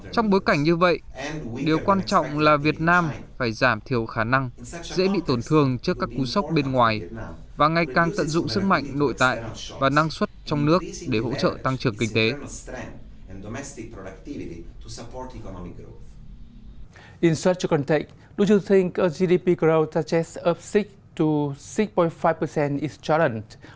trong bối cảnh như vậy điều quan trọng là việt nam phải giảm thiểu khả năng dễ bị tổn thương trước các cú sốc bên ngoài và ngày càng tận dụng sức mạnh nội tại và năng suất trong nước để hỗ trợ tăng trưởng kinh tế